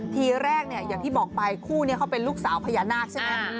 ทีแรกเนี่ยอย่างที่บอกไปคู่นี้เขาเป็นลูกสาวพญานาคใช่ไหม